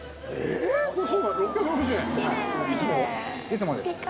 いつもです。